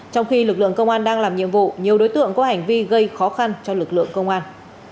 trong khi lực lượng công an đang làm nhiệm vụ nhiều đối tượng có hành vi gây khó khăn cho lực lượng công an